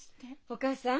お義母さん。